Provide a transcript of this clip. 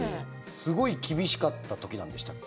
すごい厳しかった時なんでしたっけ？